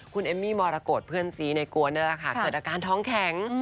คุณเอมิมรโรโกธเพื่อนซีในกวนเสร็จอาการท้องแข็ง